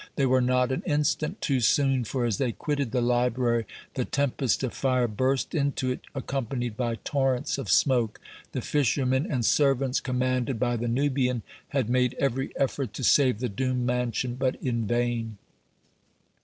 They were not an instant too soon, for as they quitted the library the tempest of fire burst into it, accompanied by torrents of smoke. The fishermen and servants, commanded by the Nubian, had made every effort to save the doomed mansion, but in vain.